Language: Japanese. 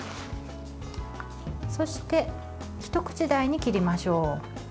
そして一口大に切りましょう。